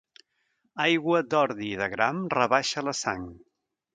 Aigua d'ordi i de gram rebaixa la sang.